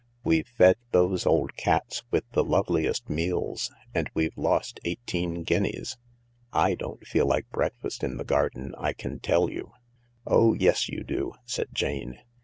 We've fed those old cats with the loveliest meals and we've lost eighteen guineas. J don't feel like breakfast in the garden, I can tell you." 1 ' Oh yes, you do !" said Jane.